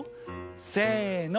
せの！